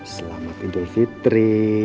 selamat idul fitri